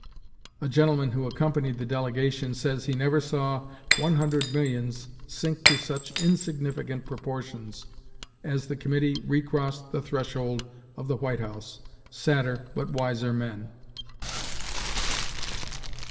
_" A gentleman who accompanied the delegation says he never saw one hundred millions sink to such insignificant proportions, as the committee recrossed the threshold of the White House, sadder but wiser men.